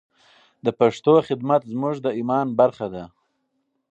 د پښتو خدمت زموږ د ایمان برخه ده.